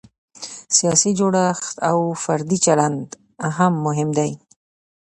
سیاسي جوړښت او فردي چلند هم مهم دی.